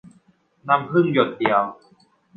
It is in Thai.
น้ำผึ้งหยดเดียว